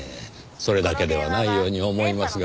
それだけではないように思いますが。